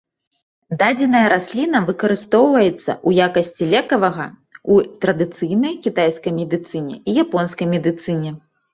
Дадзеная расліна выкарыстоўваецца ў якасці лекавага у традыцыйнай кітайскай медыцыне і японскай медыцыне.